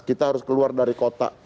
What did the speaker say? kita harus keluar dari kota